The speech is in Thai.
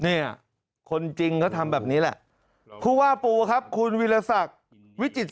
เนี่ยคนจริงก็ทำแบบนี้แหละผู้ว่าปูครับคุณวิรสักวิจิต